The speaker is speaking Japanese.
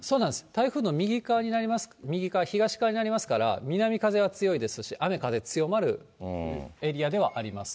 台風の右っ側、東側になりますから、南風は強いですし、雨風強まるエリアではあります。